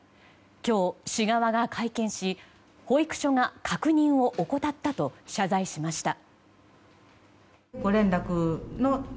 今日、市側が会見し保育所が確認を怠ったと謝罪しました。